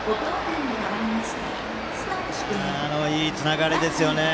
いいつながりですよね。